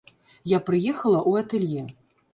Я прыехала ў атэлье.